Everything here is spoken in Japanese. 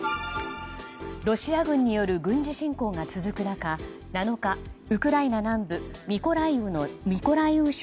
ロシア軍による軍事侵攻が続く中７日、ウクライナ南部ミコライウ